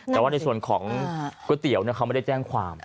แต่ว่าในส่วนของก๋วยเตี๋ยวเขาไม่ได้แจ้งความ